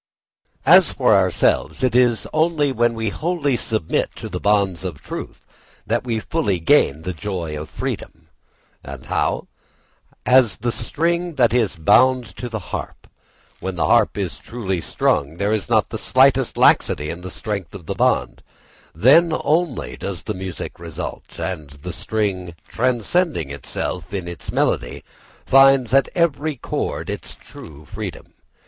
As for ourselves, it is only when we wholly submit to the bonds of truth that we fully gain the joy of freedom. And how? As does the string that is bound to the harp. When the harp is truly strung, when there is not the slightest laxity in the strength of the bond, then only does music result; and the string transcending itself in its melody finds at every chord its true freedom.